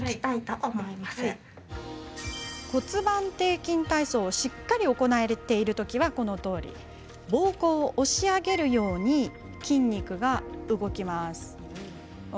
骨盤底筋体操をしっかり行えているときはこのとおり、ぼうこうを押し上げるように筋肉が動きます。